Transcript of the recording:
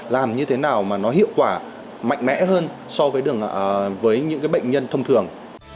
làm như thế nào mà nó hiệu quả mạnh mẽ hơn so với những bệnh nhân thông thường